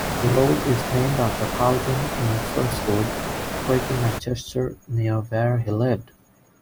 A road is named after Charlton in Firswood, Greater Manchester, near where he lived.